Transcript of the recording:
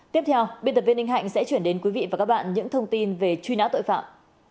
tiếp theo biên tập viên ninh hạnh sẽ chuyển đến quý vị và các bạn những thông tin về truy nã tội phạm